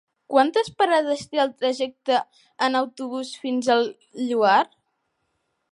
Quantes parades té el trajecte en autobús fins al Lloar?